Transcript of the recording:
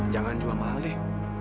jangan jual mahal deh